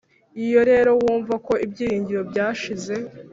iyo rero wumva ko ibyiringiro byashize